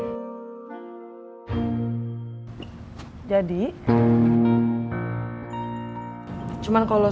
itu interpretasi daridirect dari